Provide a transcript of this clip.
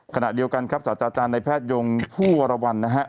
ขณะเดียวกันครับศาสตราจารย์ในแพทยงผู้วรวรรณนะฮะ